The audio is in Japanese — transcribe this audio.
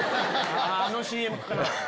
あのＣＭかな。